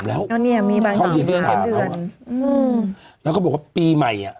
๓แล้วครอบที่๓เดือนแล้วแล้วเขาบอกว่าปีใหม่